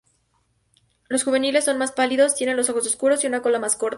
Los juveniles son más pálidos, tienen los ojos oscuros y una cola más corta.